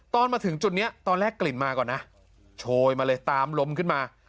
ตอนมาถึงจุดนี้ตอนแรกกลิ่นมาก่อนนะโชยมาเลยตามลมขึ้นมา